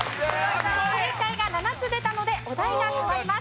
正解が７つ出たのでお題が変わります。